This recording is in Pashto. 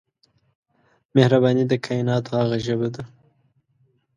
مهرباني د کایناتو هغه ژبه ده